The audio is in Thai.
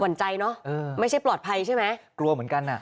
ใจเนอะเออไม่ใช่ปลอดภัยใช่ไหมกลัวเหมือนกันอ่ะ